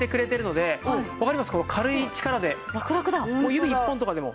指１本とかでも。